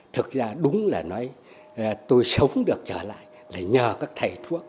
thực ra đúng là nói tôi sống được trở lại là nhờ các thầy thuốc